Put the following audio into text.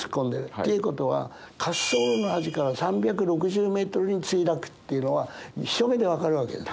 っていうことは滑走路の端から３６０メートルに墜落っていうのは一目で分かるわけです。